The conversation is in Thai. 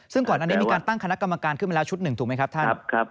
ซึ่งก่อนอันนี้มีการตั้งคณะกรรมการขึ้นมาแล้วชุดหนึ่งถูกไหมครับท่าน